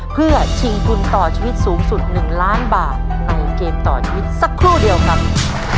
เพื่อชิงทุนต่อชีวิตสูงสุด๑ล้านบาทในเกมต่อชีวิตสักครู่เดียวครับ